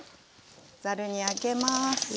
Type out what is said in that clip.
ざるにあけます。